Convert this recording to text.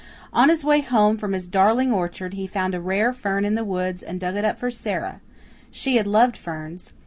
On his way back home from his darling orchard he found a rare fern in the woods and dug it up for Sara she had loved ferns.